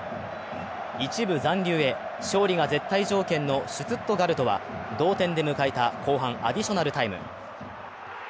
１部残留へ、勝利が絶対条件のシュツットガルトは同点で迎えた後半アディショナルタイム。